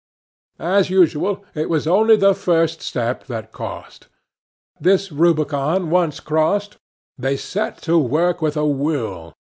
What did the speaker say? As usual, it was only the first step that cost. This Rubicon once crossed, they set to work with a will.